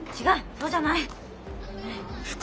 そうじゃない。